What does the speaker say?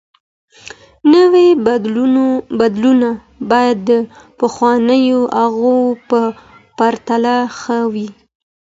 نوي بدلونونه بايد د پخوانيو هغو په پرتله ښه وي.